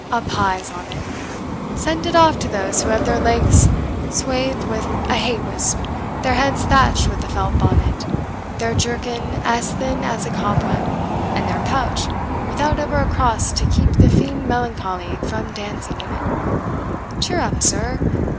A pize on it! send it off to those who have their legs swathed with a hay wisp, their heads thatched with a felt bonnet, their jerkin as thin as a cobweb, and their pouch without ever a cross to keep the fiend Melancholy from dancing in it. Cheer up, sir!